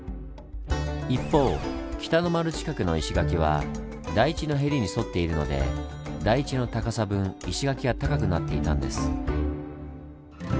一方北の丸近くの石垣は台地のへりに沿っているので台地の高さ分石垣が高くなっていたんです。